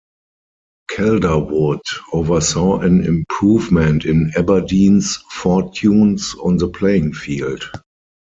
Calderwood oversaw an improvement in Aberdeen's fortunes on the playing field.